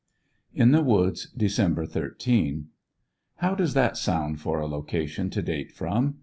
In the Woods, Dec 13. — How does that sound for a location to date from?